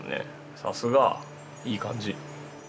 さすがいい感じ。